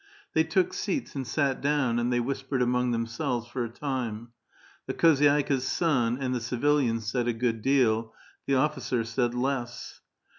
They took seats and sat down, and they whispered among themselves for a time ; the kfiozydika's son and the civilian said a good deal, the officer said less.